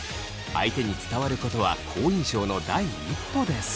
相手に伝わることは好印象の第一歩です。